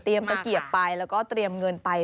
ตะเกียบไปแล้วก็เตรียมเงินไป